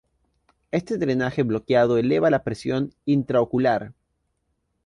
Este drenaje bloqueado eleva la presión intraocular.